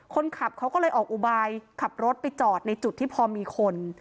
คนขับเขาก็เลยออกอุบายขับรถไปจอดในจุดที่พอมีคน